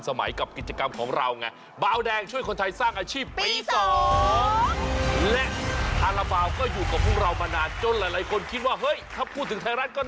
ถ้าคุณผู้ชมอยากโชคดีก็ต้องรีบส่งฝาการาบาลแดงและคันสมคุณสองมากันสิครับ